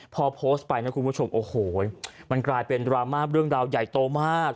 พอโพสต์ไปนะคุณผู้ชมโอ้โหมันกลายเป็นดราม่าเรื่องราวใหญ่โตมาก